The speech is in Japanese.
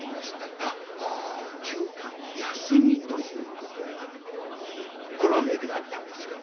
休館休みということがコロナの影響であったんですよ。